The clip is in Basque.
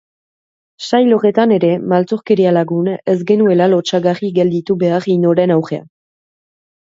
Sail horretan ere, maltzurkeria lagun, ez genuela lotsagarri gelditu behar inoren aurrean.